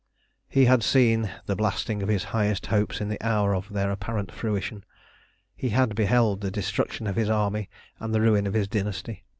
He had seen the blasting of his highest hopes in the hour of their apparent fruition. He had beheld the destruction of his army and the ruin of his dynasty.